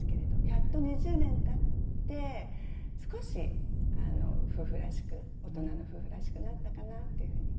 やっと２０年経って少し夫婦らしく大人の夫婦らしくなったかなっていうふうに。